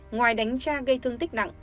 ngoài đánh cha gây thương tích nặng